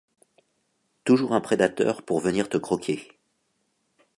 toujours un prédateur pour venir te croquer.